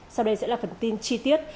sau đây sẽ là phần tin chi tiết